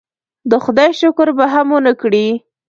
د خدای شکر به هم ونه کړي.